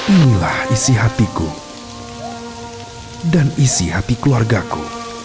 inilah isi hatiku dan isi hati keluargaku